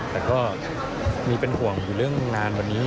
แต่ก็มีเป็นห่วงอยู่เรื่องงานวันนี้